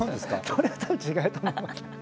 それは多分違うと思います。